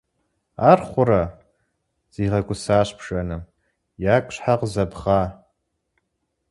- Ар хъурэ! - зигъэгусащ бжэным. - Ягу щхьэ къызэбгъа?